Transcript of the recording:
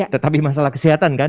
tetapi masalah kesehatan kan